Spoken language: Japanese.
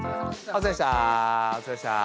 おつかれさまでした。